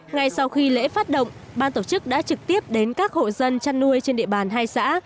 ngay sau khi lễ phát động ban tổ chức đã trực tiếp đến các hộ dân chăn nuôi trên địa bàn hai xã